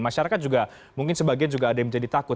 masyarakat juga mungkin sebagian juga ada yang menjadi takut